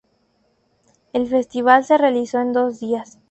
El festival se realizó en dos días.